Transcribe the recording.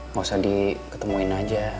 gak usah di ketemuin aja